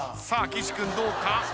さあ岸君どうか？